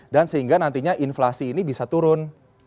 dan sehingga nantinya inflasi ini bisa turun